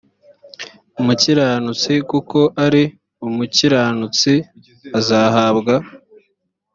umukiranutsi kuko ari umukiranutsi azahabwa